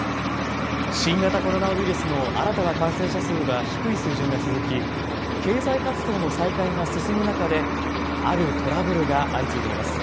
新型コロナウイルスの新たな感染者数は低い水準が続き、経済活動の再開が進む中であるトラブルが相次いでいます。